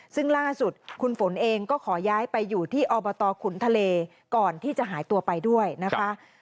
ซึ่งล่าสุดคุณฝนเองก็ขอย้ายไปอยู่ที่อบตขุนทะเลก่อนที่จะหายตัวไปด้วยนะคะ